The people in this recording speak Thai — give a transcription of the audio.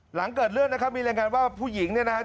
หลังเกิดเรื่องนะครับมีรายงานว่าผู้หญิงเนี่ยนะฮะ